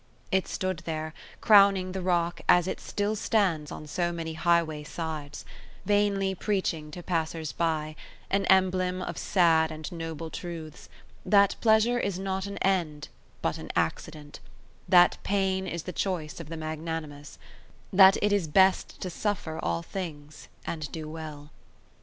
It stood there, crowning the rock, as it still stands on so many highway sides, vainly preaching to passers by, an emblem of sad and noble truths; that pleasure is not an end, but an accident; that pain is the choice of the magnanimous; that it is best to suffer all things and do well.